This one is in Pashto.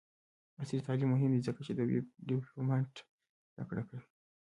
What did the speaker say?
عصري تعلیم مهم دی ځکه چې د ویب ډیولپمنټ زدکړه کوي.